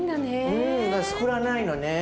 うんつくらないのね。